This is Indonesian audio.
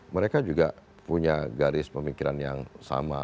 mereka juga punya garis pemikiran yang sama